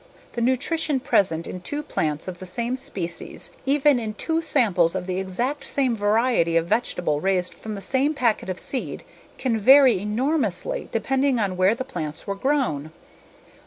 The nutrition present in two plants of the same species, even in two samples of the exact same variety of vegetable raised from the same packet of seed can vary enormously depending on where the plants were grown.